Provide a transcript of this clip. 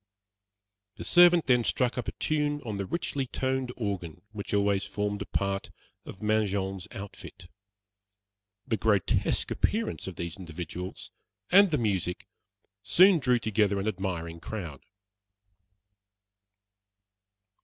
The servant then struck up a tune on the richly toned organ which always formed a part of Mangin's outfit. The grotesque appearance of these individuals, and the music, soon drew together an admiring crowd.